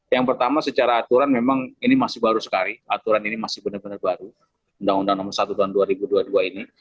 yang pertama secara aturan memang ini masih baru sekali aturan ini masih benar benar baru undang undang nomor satu tahun dua ribu dua puluh dua ini